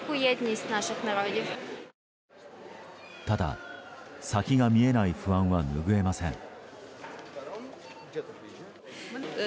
ただ、先が見えない不安は拭えません。